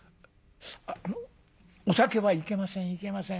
あのお酒はいけませんいけません。